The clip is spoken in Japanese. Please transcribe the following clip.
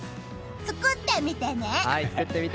作ってみてね！